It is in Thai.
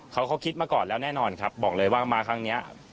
เขาเขาคิดมาก่อนแล้วแน่นอนครับบอกเลยว่ามาครั้งนี้